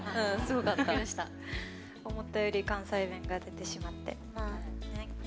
思ったより関西弁が出てしまって。